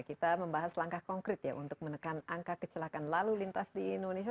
kita membahas langkah konkret ya untuk menekan angka kecelakaan lalu lintas di indonesia